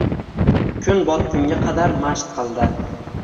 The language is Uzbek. Kun botgunga qadar mashq qildi.